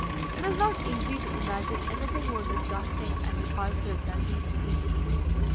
It is not easy to imagine anything more disgusting and repulsive than these priests.